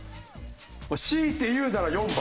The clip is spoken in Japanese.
強いて言うなら４番。